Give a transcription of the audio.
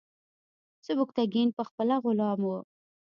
سبکتیګن پخپله غلام و.